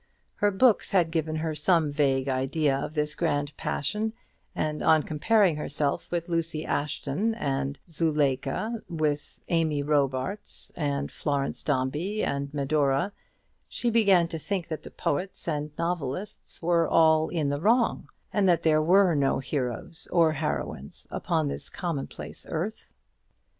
Her books had given her some vague idea of this grand passion, and on comparing herself with Lucy Ashton and Zuleika, with Amy Robsart and Florence Dombey and Medora, she began to think that the poets and novelists were all in the wrong, and that there were no heroes or heroines upon this commonplace earth.